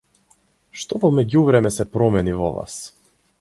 Што во меѓувреме се промени во вас?